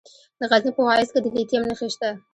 د غزني په واغظ کې د لیتیم نښې شته.